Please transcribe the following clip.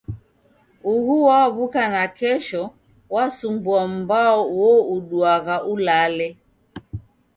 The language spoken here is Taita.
Uhu waw'uka nakesho wasumbua mbao uo uduagha ulale.